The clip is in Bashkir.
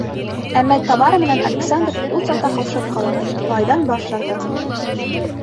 Әммә Тамара менән Александр ул саҡта ҡаушап ҡала, малайҙан баш тарта.